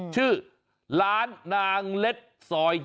ชื่อร้านนางเล็ดซอย๗